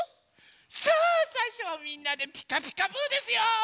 さあさいしょはみんなで「ピカピカブ！」ですよ。